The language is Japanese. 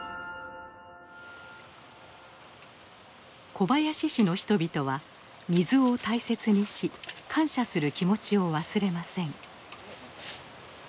小林市の人々は水を大切にし感謝する気持ちを忘れません。